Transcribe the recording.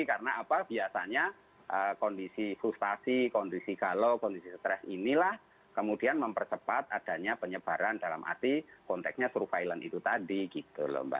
karena apa biasanya kondisi frustasi kondisi galau kondisi stres inilah kemudian mempercepat adanya penyebaran dalam arti konteksnya surveillance itu tadi gitu loh mbak